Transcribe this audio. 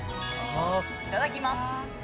・いただきます